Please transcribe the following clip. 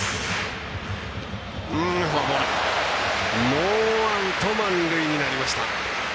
ノーアウト、満塁になりました。